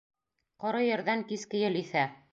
Ҡоро ерҙән киске ел иҫә.